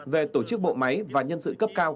về tổ chức bộ máy và nhân sự cấp cao